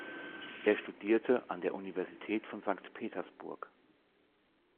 Er studierte an der Universität von Sankt Petersburg.